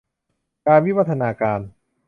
การวิวัฒนาการ